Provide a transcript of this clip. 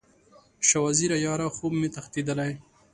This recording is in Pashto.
شاه وزیره یاره، خوب مې تښتیدلی